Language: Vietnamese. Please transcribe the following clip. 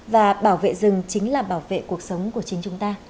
và bảo vệ rừng chính là bảo vệ cuộc sống của chính chúng ta